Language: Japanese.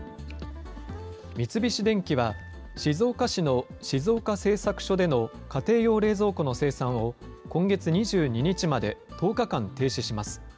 三菱電機は、静岡市の静岡製作所での家庭用冷蔵庫の生産を、今月２２日まで１０日間停止します。